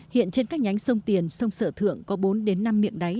hiện trên các nhánh sông tiền sông sở thượng có bốn đến năm miệng đáy